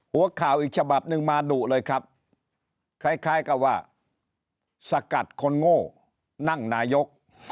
หัวข่าวอีกฉบับหนึ่งมาดุเลยครับคล้ายกับว่าสกัดคนโง่นั่งนายก